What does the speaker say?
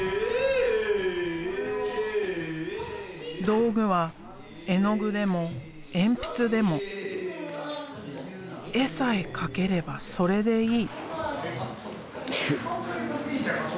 道具は絵の具でも鉛筆でも絵さえ描ければそれでいい。